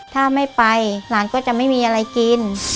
ถ้าไม่ไปหลานก็จะไม่มีอะไรกิน